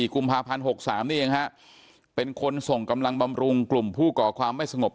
กุมภาพันธ์๖๓นี่เองฮะเป็นคนส่งกำลังบำรุงกลุ่มผู้ก่อความไม่สงบ